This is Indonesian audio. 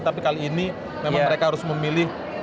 tapi kali ini memang mereka harus memilih